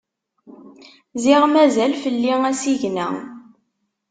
Ziɣ mazal fell-i asigna.